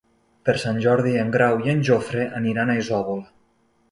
Per Sant Jordi en Grau i en Jofre aniran a Isòvol.